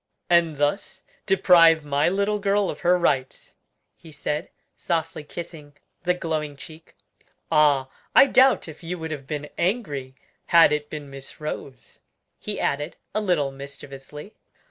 "And thus deprive my little girl of her rights," he said, softly kissing the glowing cheek. "Ah! I doubt if you would have been angry had it been Miss Rose," he added, a little mischievously.